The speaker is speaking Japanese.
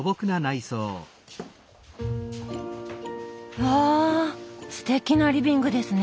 わぁすてきなリビングですね。